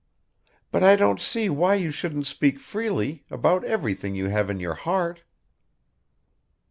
"But I don't see why you shouldn't speak freely, about everything you have in your heart."